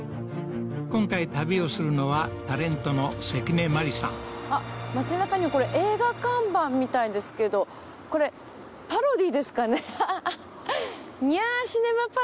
今回旅をするのはタレントの関根麻里さんあっまちなかにこれ映画看板みたいですけどこれパロディーですかね？